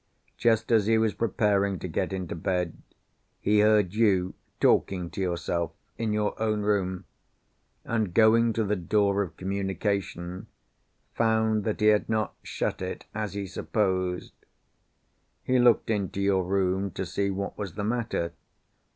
Just as he was preparing to get into bed, he heard you, talking to yourself, in your own room, and going to the door of communication, found that he had not shut it as he supposed. He looked into your room to see what was the matter.